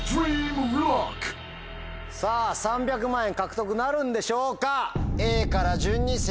さぁ３００万円獲得なるんでしょうか？